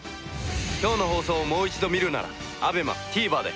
今日の放送をもう一度見るならＡＢＥＭＡＴＶｅｒで。